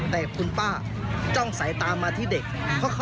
แต่คุณป้าจ้องสายตามมาที่เด็ก